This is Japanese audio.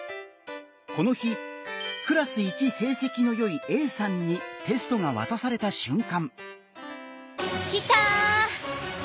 この日クラス一成績のよいＡさんにテストが渡された瞬間。